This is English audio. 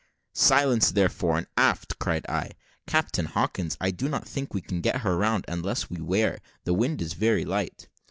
"Silence there, fore and aft!" cried I. "Captain Hawkins, I do not think we can get her round, unless we wear the wind is very light."